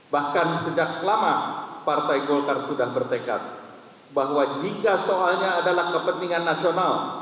bahkan sejak lama partai golkar sudah bertekad bahwa jika soalnya adalah kepentingan nasional